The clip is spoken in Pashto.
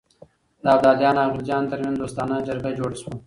د ابدالیانو او غلجیانو ترمنځ دوستانه جرګه جوړه شوه.